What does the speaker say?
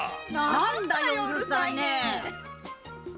何だようるさいねえ！